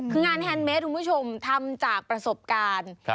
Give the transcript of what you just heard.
คืองานแฮนดเมสคุณผู้ชมทำจากประสบการณ์